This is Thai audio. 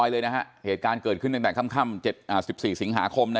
๗๐๐เลยนะฮะเหตุการณ์เกิดขึ้นต่างค่ำ๑๔สิงหาคมนะ